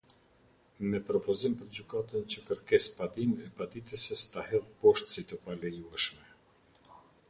Me propozim për gjykatën që kërkesëpadinë e paditëses, ta hedhë poshtë si të palejueshme.